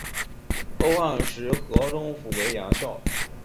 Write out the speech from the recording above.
后汉时河中府为牙校。